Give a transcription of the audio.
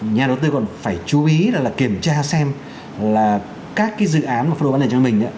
nhà đầu tư còn phải chú ý là kiểm tra xem là các dự án phân lô vấn đề cho mình